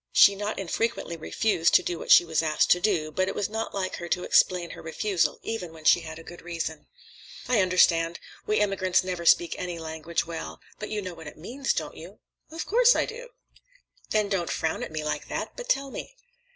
She not infrequently refused to do what she was asked to do, but it was not like her to explain her refusal, even when she had a good reason. "I understand. We immigrants never speak any language well. But you know what it means, don't you?" "Of course I do!" "Then don't frown at me like that, but tell me."